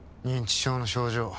認知症の症状